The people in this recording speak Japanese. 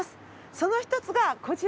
その一つがこちら。